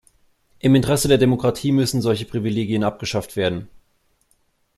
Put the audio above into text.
Im Interesse der Demokratie müssen solche Privilegien abgeschafft werden.